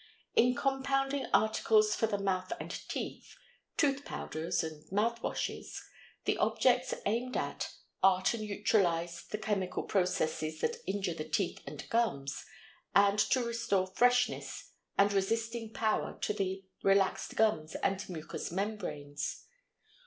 In compounding articles for the mouth and teeth—tooth powders and mouth washes—the objects aimed at are to neutralize the chemical processes that injure the teeth and gums, and to restore freshness and resisting power to the relaxed gums and mucous membranes.